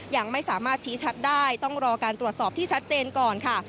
ยังไม่สามารถชี้ชัดได้ต้องรอการตรวจสอบที่ชัดเจนก่อนค่ะ